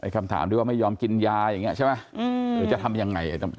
คำถามที่ว่าไม่ยอมกินยาอย่างนี้ใช่ไหมหรือจะทำยังไง